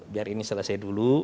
biar ini selesai dulu